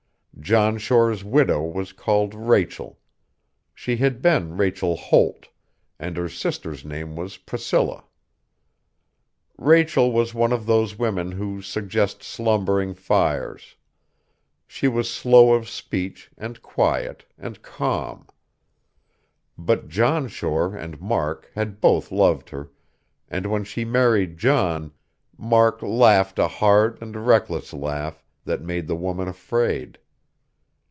John Shore's widow was called Rachel. She had been Rachel Holt; and her sister's name was Priscilla. Rachel was one of those women who suggest slumbering fires; she was slow of speech, and quiet, and calm.... But John Shore and Mark had both loved her; and when she married John, Mark laughed a hard and reckless laugh that made the woman afraid.